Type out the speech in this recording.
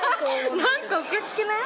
なんかおかしくない？